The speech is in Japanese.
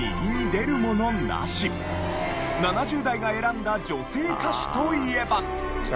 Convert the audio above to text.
７０代が選んだ女性歌手といえば。